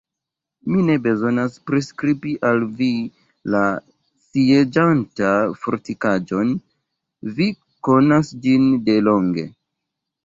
Mi ne bezonas priskribi al vi la sieĝatan fortikaĵon: vi konas ĝin de longe.